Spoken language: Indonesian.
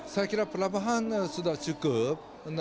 saya kira pelabuhan sudah cukup